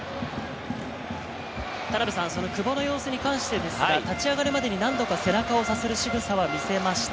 久保の様子に関して、立ち上がるまでに何度か背中をさするしぐさを見せました。